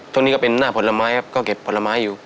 ตรงนี้ก็เป็นหน้าผลไม้ครับก็เก็บผลไม้อยู่